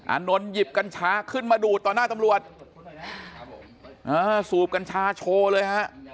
นนท์หยิบกัญชาขึ้นมาดูดต่อหน้าตำรวจอ่าสูบกัญชาโชว์เลยฮะ